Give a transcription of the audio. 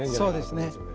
そうですね。